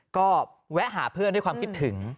ก็แวะหาเพื่อนด้วยความคิดถึง